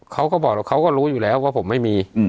เขาก็บอกว่าเขาก็รู้อยู่แล้วว่าผมไม่มี